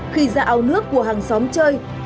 khi ra áo nước của hàng xóm chơi